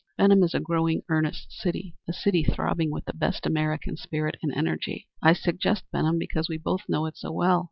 Benham is a growing, earnest city a city throbbing with the best American spirit and energy. I suggest Benham because we both know it so well.